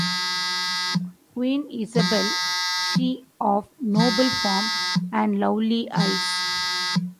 Queen Isabelle, she of noble form and lovely eyes.